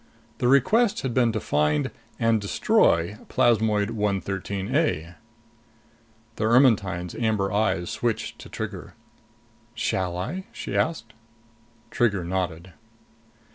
The request had been to find and destroy plasmoid 113 A. The Ermetyne's amber eyes switched to Trigger. "Shall I?" she asked. Trigger nodded.